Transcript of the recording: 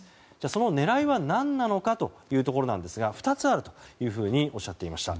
その狙いは何なのかというところですが２つあるというふうにおっしゃっていました。